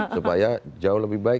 supaya jauh lebih baik